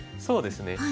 そうですね。